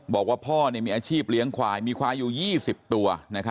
บอกว่าพ่อมีอาชีพเลี้ยงควายมีควายอยู่๒๐ตัว